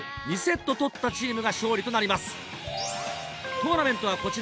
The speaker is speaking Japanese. トーナメントはこちら。